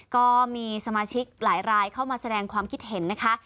ก็มีสมาชิกหลายรายเข้ามาแสดงความคิดเห็นนะคะ